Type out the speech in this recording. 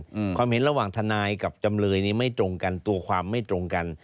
อืมความเห็นระหว่างทนายกับจำเลยนี่ไม่ตรงกันตัวความไม่ตรงกัน